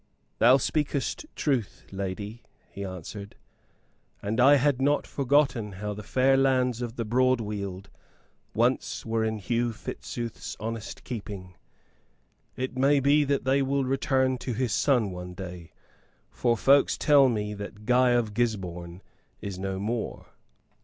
"Thou speakest truth, lady," he answered. "And I had not forgotten how the fair lands of Broadweald once were in Hugh Fitzooth's honest keeping. It may be that they will return to his son one day, for folks tell me that Guy of Gisborne is no more."